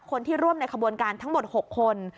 คนที่ร่วมในขบวนการทั้งหมด๖คน